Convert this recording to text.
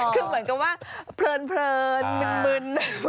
คือเหมือนกับว่าเพลินมึน